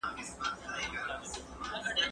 آیا ته هره ورځ کمپیوټر کاروې؟